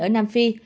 ở nam phi